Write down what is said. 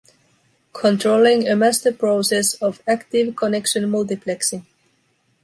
Controlling a master process of active connection multiplexing.